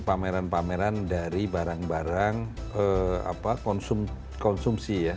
pameran pameran dari barang barang konsumsi ya